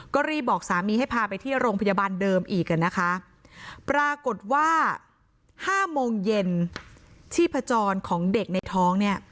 ก็รีบบอกสามีให้พาไปที่โรงพยาบาลเดิมอีกอ่ะนะคะปรากฏว่าห้าโมงเย็นชีพจรของเด็กในท้องเนี่ย